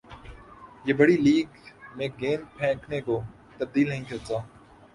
یہ بڑِی لیگ میں گیند پھینکنے کو تبدیل نہیں کرتا